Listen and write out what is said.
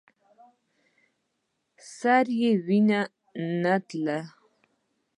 سر نه يې وينه تله.